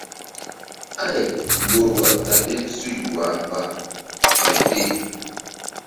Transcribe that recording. Ay ŋgorwa ta ɓil suy wah mba ɓay fe.